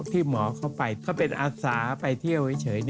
ที่หมอเข้าไปเขาเป็นอาสาไปเที่ยวเฉย